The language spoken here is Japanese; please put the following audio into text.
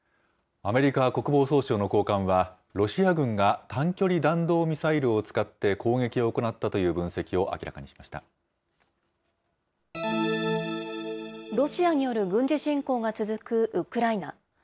アメリカ国防総省の高官は、ロシア軍が短距離弾道ミサイルを使って攻撃を行ったという分析をロシアによる軍事侵攻が続くウクライナ。